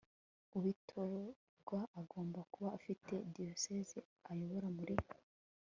ubitorerwa agomba kuba afite diyoseze ayobora muri